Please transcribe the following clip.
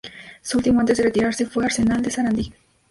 Su último antes de retirarse fue Arsenal de Sarandí.